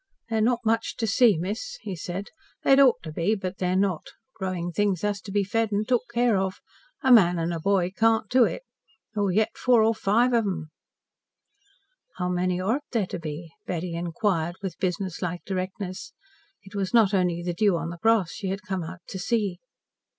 "They're not much to see, miss," he said. "They'd ought to be, but they're not. Growing things has to be fed and took care of. A man and a boy can't do it nor yet four or five of 'em." "How many ought there to be?" Betty inquired, with business like directness. It was not only the dew on the grass she had come out to see.